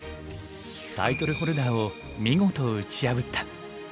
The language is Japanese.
タイトルホルダーを見事打ち破った。